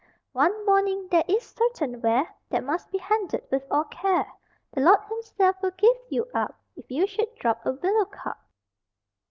One warning: there is certain ware That must be handled with all care: The Lord Himself will give you up If you should drop a willow cup!